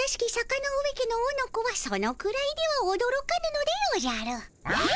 ノ上家のオノコはそのくらいではおどろかぬのでおじゃる。